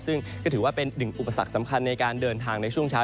ซึ่งก็ถือว่าเป็นหนึ่งอุปสรรคสำคัญในการเดินทางในช่วงเช้า